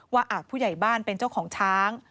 อาจผู้ใหญ่บ้านเป็นเจ้าของช้าง